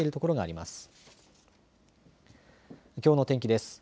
きょうの天気です。